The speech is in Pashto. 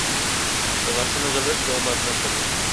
• د غاښونو زړښت د عمر نښه ده.